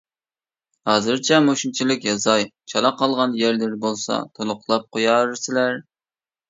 ھازىرچە مۇشۇنچىلىك يازاي، چالا قالغان يەرلىرى بولسا تولۇقلاپ قويارسىلەر.